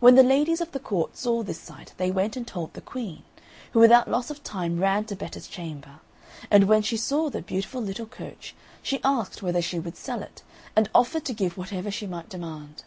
When the ladies of the court saw this sight they went and told the Queen, who without loss of time ran to Betta's chamber; and when she saw the beautiful little coach, she asked whether she would sell it, and offered to give whatever she might demand.